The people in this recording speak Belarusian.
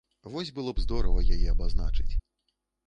Вось было б здорава яе абазначыць.